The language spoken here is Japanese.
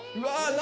何？